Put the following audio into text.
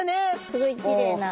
すごいきれいな。